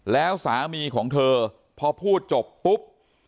แล้วสามีของเธอพอพูดจบปุ๊บ